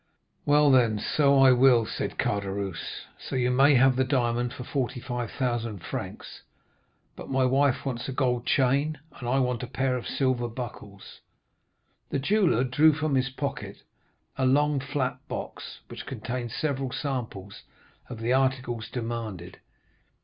"'Well, then, so I will!' said Caderousse; 'so you may have the diamond for 45,000 francs. But my wife wants a gold chain, and I want a pair of silver buckles.' "The jeweller drew from his pocket a long flat box, which contained several samples of the articles demanded.